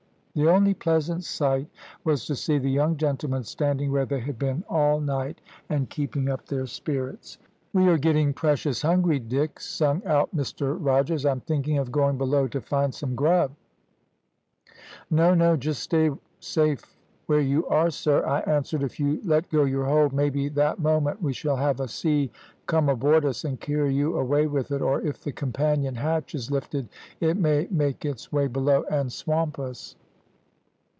The only pleasant sight was to see the young gentlemen standing where they had been all night, and keeping up their spirits. "`We are getting precious hungry, Dick,' sung out Mr Rogers, `I'm thinking of going below to find some grub.' "`No, no; just stay safe where you are, sir,' I answered. `If you let go your hold, maybe that moment we shall have a sea come aboard us and carry you away with it, or if the companion hatch is lifted it may make its way below and swamp us.'